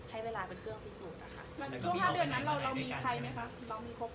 ให้เวลาเป็นเครื่องพิสูจน์อ่ะค่ะ